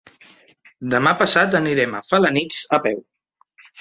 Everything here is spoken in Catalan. Demà passat anirem a Felanitx a peu.